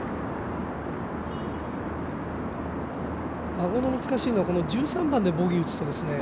和合の難しいのが、１３番でボギーを打つとですね